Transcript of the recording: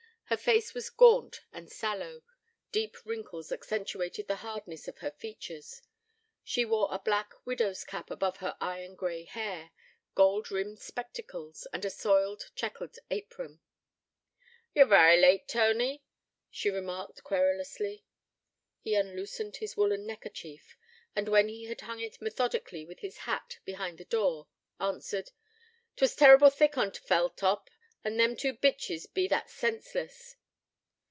Her face was gaunt and sallow; deep wrinkles accentuated the hardness of her features. She wore a black widow's cap above her iron grey hair, gold rimmed spectacles, and a soiled, chequered apron. 'Ye're varra late, Tony,' she remarked querulously. He unloosened his woollen neckerchief, and when he had hung it methodically with his hat behind the door, answered: ''Twas terrible thick on t' fell top, an' them two bitches be that senseless.'